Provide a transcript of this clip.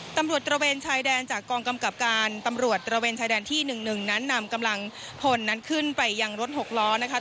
ตระเวนชายแดนจากกองกำกับการตำรวจระเวนชายแดนที่๑๑นั้นนำกำลังพลนั้นขึ้นไปยังรถหกล้อนะคะ